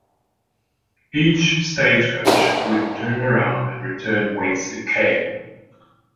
Each stagecoach would turn around and return whence it came.